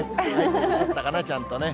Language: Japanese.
映ったかな、ちゃんとね。